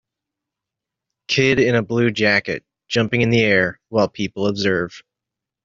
Kid in a blue jacket jumping in the air while people observe.